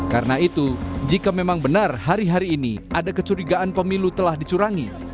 karena itu jika memang benar hari hari ini ada kecurigaan pemilu telah dicurangi